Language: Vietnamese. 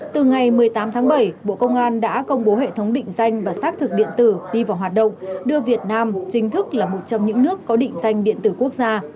từ ngày một mươi tám tháng bảy bộ công an đã công bố hệ thống định danh và xác thực điện tử đi vào hoạt động đưa việt nam chính thức là một trong những nước có định danh điện tử quốc gia